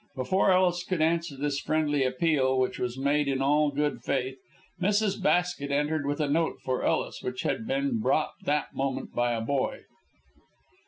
Before Ellis could answer this friendly appeal, which was made in all good faith, Mrs. Basket entered with a note for Ellis, which had been brought that moment by a boy.